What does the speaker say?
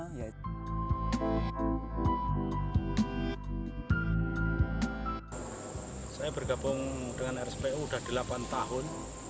saya bergabung dengan rspu sudah delapan tahun